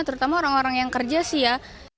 terutama orang orang yang kerja sih ya